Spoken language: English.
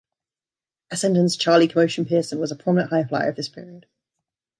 Essendon's Charlie "Commotion" Pearson was a prominent high flyer of this period.